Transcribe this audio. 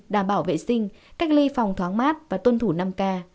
đảm bảo vệ sinh cách ly phòng thoáng mát và tuân thủ năm k